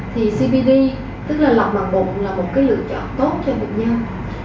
thì cbd tức là lọc mạng bụng là một lựa chọn tốt cho bệnh nhân